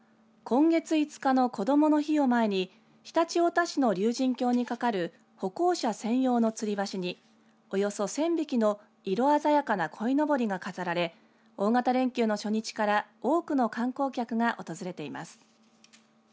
今月５日のこどもの日を前に常陸太田市の竜神峡にかかる歩行者専用のつり橋におよそ１０００匹の色鮮やかなこいのぼりが飾られ大型連休の初日から多くの観光客が訪れています。